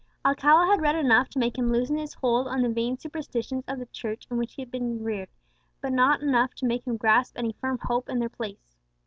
Alcala had read enough to make him loosen his hold on the vain superstitions of the Church in which he had been reared, but not enough to make him grasp any firm hope in their place.